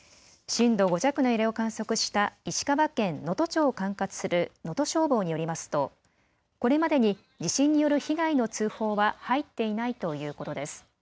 震度５弱の揺れを観測した石川県能登町を管轄する能登消防によりますとこれまでに地震による被害の通報は入っていないということです。